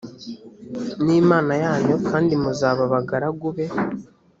ni imana yanyu kandi muzaba abagaragu be